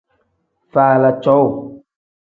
Faala cowuu.